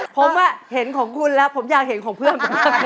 ผมเห็นของคุณแล้วผมอยากเห็นของเพื่อน